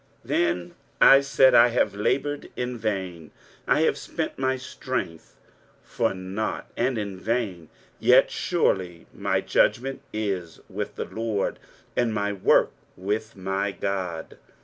23:049:004 Then I said, I have laboured in vain, I have spent my strength for nought, and in vain: yet surely my judgment is with the LORD, and my work with my God.